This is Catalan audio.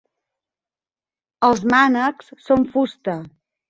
Els mànecs són fusta.